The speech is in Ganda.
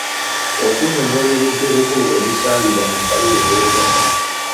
Okuunyonnyola ebintu ebikulu ebisangibwa mu bbaluwa eyeetonda.